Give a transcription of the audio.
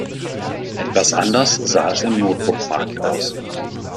Etwas anders sah es im Notebook-Markt aus.